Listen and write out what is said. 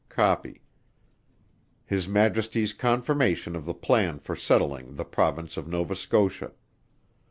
(Copy.) His Majesty's confirmation of the plan for settling the Province of Nova Scotia.